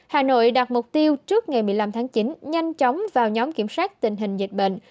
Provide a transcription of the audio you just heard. hà nội đặt mục tiêu trước ngày một mươi năm tháng chín nhanh chóng vào nhóm kiểm soát tình hình dịch bệnh